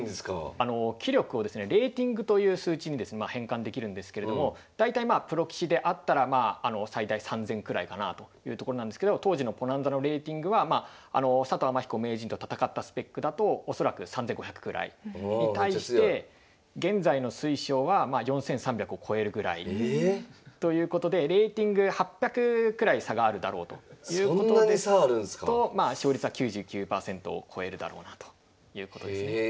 あの棋力をですねレーティングという数値に変換できるんですけれども大体まあプロ棋士であったら最大３０００くらいかなあというところなんですけど当時のｐｏｎａｎｚａのレーティングは佐藤天彦名人と戦ったスペックだと恐らく３５００ぐらいに対して現在の水匠は４３００を超えるぐらいということでレーティング８００くらい差があるだろうということですと勝率は９９％を超えるだろうなということですね。